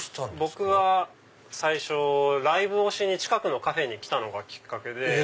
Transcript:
僕は最初ライブをしに近くのカフェに来たのがきっかけで。